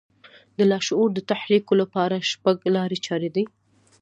د لاشعور د تحريکولو لپاره شپږ لارې چارې دي.